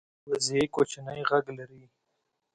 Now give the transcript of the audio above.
وزې کوچنی غږ لري